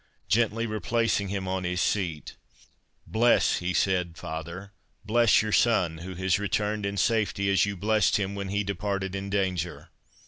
Gently replacing him on his seat—"Bless," he said, "father—bless your son, who has returned in safety, as you blessed him when he departed in danger."